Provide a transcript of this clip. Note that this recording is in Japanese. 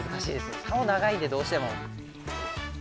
サオ長いんでどうしても。